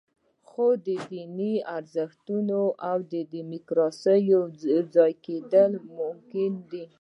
خو د دیني ارزښتونو او دیموکراسۍ یوځای کېدل ممکن دي.